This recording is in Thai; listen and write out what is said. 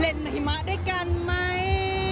หิมะด้วยกันไหม